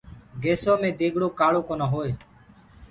گيسو مي ديگڙو ڪآݪو ڪونآ هوئي۔